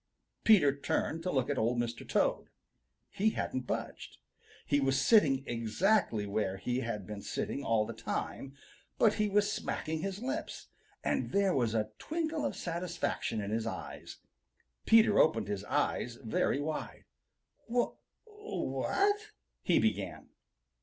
Peter turned to look at Old Mr. Toad. He hadn't budged. He was sitting exactly where he had been sitting all the time, but he was smacking his lips, and there was a twinkle of satisfaction in his eyes. Peter opened his eyes very wide. "Wha what " he began.